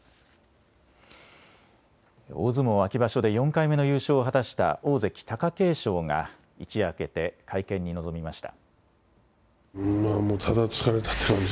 大相撲秋場所で４回目の優勝を果たした大関・貴景勝が一夜明けて会見に臨みました。